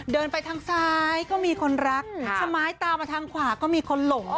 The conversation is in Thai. เดินไปทางซ้ายก็มีคนรักสมายตามมาทางขวาก็มีคนหลง